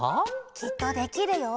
きっとできるよ。